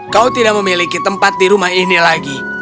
kau tidak memiliki tempat di rumah ini lagi